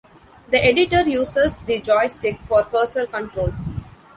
The editor uses the joystick for cursor control.